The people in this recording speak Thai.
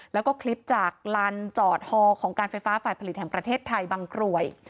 แล้วก็คลิปจากลานจอดฮอของการไฟฟ้าฝ่ายผลิตแห่งประเทศไทยบางกรวย